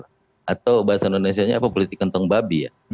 atau bahasa indonesia nya apa politik kentong babi ya